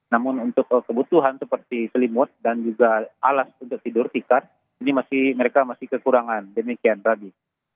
namun untuk kebutuhan seperti selimut dan juga alas untuk tidur tikar ini mereka masih kekurangan demikian ragi